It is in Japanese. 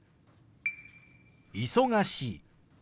「忙しい」。